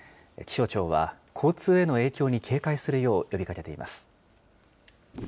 気象庁は、交通への影響に警戒するよう呼びかけています。